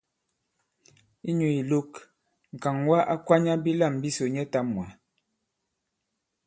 Inyū ìlok, ŋ̀kàŋwa a kwanya bilâm bisò nyɛtām mwǎ.